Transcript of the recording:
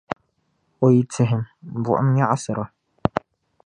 O yi tihim, buɣim nyaɣisira.